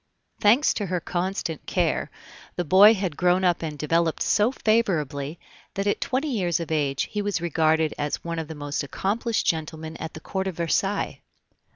Thanks to her constant care, the boy had grown up and developed so favorably, that at twenty years of age he was regarded as one of the most accomplished gentlemen at the Court of Versailles.